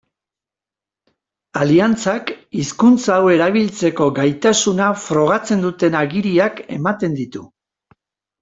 Aliantzak hizkuntza hau erabiltzeko gaitasuna frogatzen duten agiriak ematen ditu.